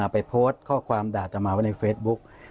ไปโพสต์ข้อความด่าต่อมาไว้ในเฟซบุ๊ก